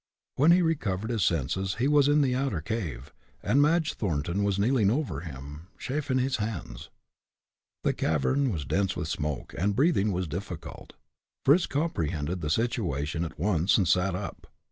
When he recovered his senses he was in the outer cave, and Madge Thornton was kneeling over him, chafing his hands. The cavern was dense with smoke, and breathing was difficult. Fritz comprehended the situation at once and sat up.